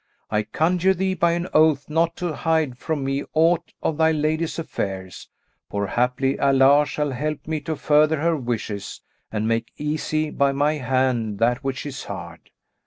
I conjure thee by an oath not to hide from me aught of thy lady's affairs; for haply Allah shall help me to further her wishes and make easy by my hand that which is hard."